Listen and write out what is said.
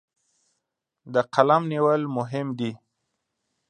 د قلم نیول مهم دي.